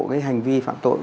cái hành vi phạm tội